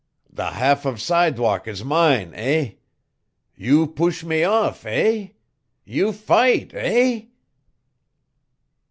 The half of sidewalk is mine, eh? You push me off, eh? You fight, eh?"